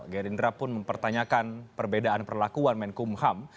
gerindra pun mempertanyakan perbedaan perlakuan menkum ham